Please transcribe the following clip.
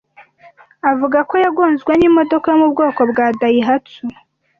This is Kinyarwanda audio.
avuga ko yagonzwe n’imodoka yo mu bwoko bwa dayihatsu